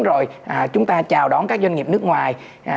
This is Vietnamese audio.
rồi chúng ta chào đón các doanh nghiệp nước ngoài